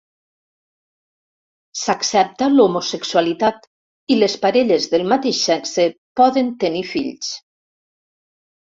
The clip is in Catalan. S'accepta l'homosexualitat i les parelles del mateix sexe poden tenir fills.